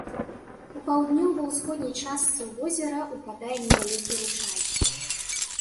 У паўднёва-ўсходняй частцы ў возера ўпадае невялікі ручай.